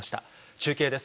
中継です。